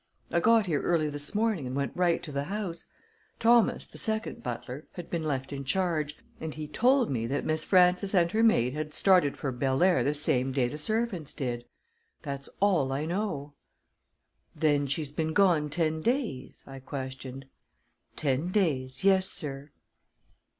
I got here early this morning, and went right to the house. Thomas, the second butler, had been left in charge, and he told me that Miss Frances and her maid had started for Belair the same day the servants did. That's all I know." "Then she's been gone ten days?" I questioned. "Ten days; yes, sir."